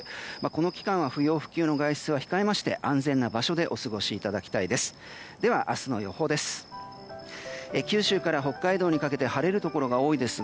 この期間は不要不急の外出は控えまして安全な場所でお過ごしいただきたいです。